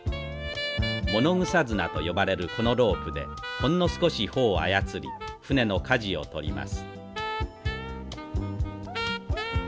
ものぐさ綱と呼ばれるこのロープでほんの少し帆を操り船のかじを取ります。